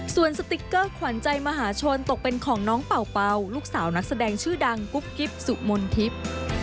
ส่วนสติ๊กเกอร์ขวัญใจมหาชนตกเป็นของน้องเป่าเป่าลูกสาวนักแสดงชื่อดังกุ๊บกิ๊บสุมนทิพย์